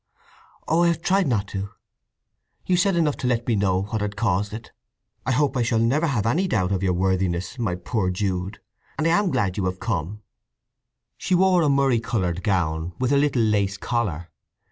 "Oh, I have tried not to! You said enough to let me know what had caused it. I hope I shall never have any doubt of your worthiness, my poor Jude! And I am glad you have come!" She wore a murrey coloured gown with a little lace collar.